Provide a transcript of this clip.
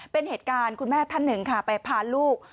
เป็นเหตุการณ์คุณแม่ท่านหนึ่งค่ะไปพาลูก